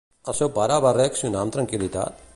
El seu pare va reaccionar amb tranquil·litat?